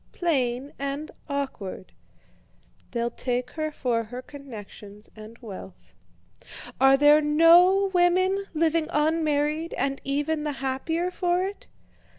Plain and awkward! They'll take her for her connections and wealth. Are there no women living unmarried, and even the happier for it?"